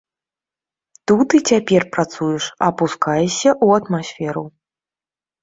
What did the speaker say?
Тут і цяпер працуеш, апускаешся ў атмасферу.